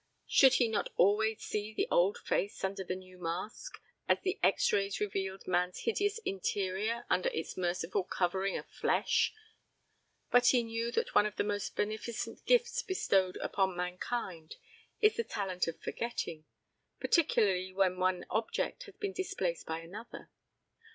Should he not always see the old face under the new mask, as the X Rays revealed man's hideous interior under its merciful covering of flesh? But he knew that one of the most beneficent gifts bestowed upon mankind is the talent for forgetting. Particularly when one object has been displaced by another.